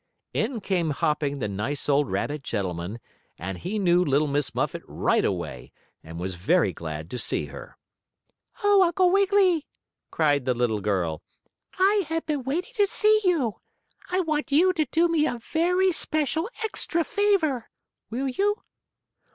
In came hopping the nice old rabbit gentleman, and he knew Little Miss Muffet right away, and was very glad to see her. "Oh, Uncle Wiggily!" cried the little girl. "I have been waiting to see you. I want you to do me a very special extra favor; will you?"